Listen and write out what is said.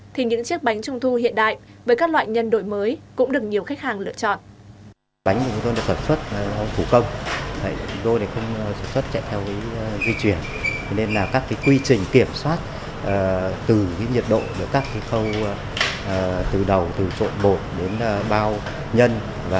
thì những chiếc bánh trung thu hiện đại với các loại nhân đội mới cũng được nhiều khách hàng lựa chọn